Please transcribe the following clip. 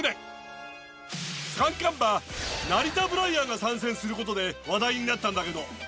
三冠馬ナリタブライアンが参戦することで話題になったんだけど。